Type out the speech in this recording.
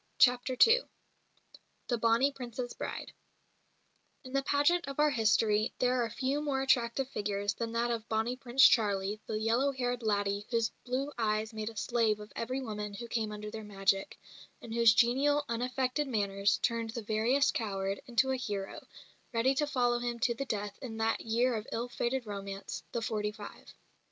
CHAPTER II THE "BONNIE PRINCE'S" BRIDE In the pageant of our history there are few more attractive figures than that of "Bonnie Prince Charlie," the "yellow haired laddie" whose blue eyes made a slave of every woman who came under their magic, and whose genial, unaffected manners turned the veriest coward into a hero, ready to follow him to the death in that year of ill fated romance, "the forty five."